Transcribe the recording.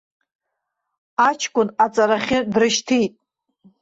Аҷкәын аҵарахьы дрышьҭит.